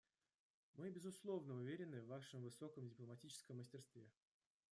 Мы, безусловно, уверены в Вашем высоком дипломатическом мастерстве.